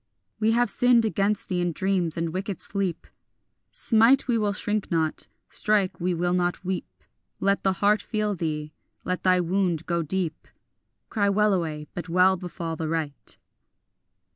We have sinned against thee in dreams and wicked sleep; Smite, we will shrink not; strike, we will not weep; Let the heart feel thee; let thy wound go deep; Cry wellaway, but well befall the right.